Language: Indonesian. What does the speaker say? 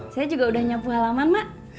saya juga udah nyapu halaman mbak